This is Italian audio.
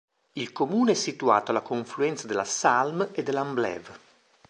Il comune è situato alla confluenza della Salm e dell'Amblève.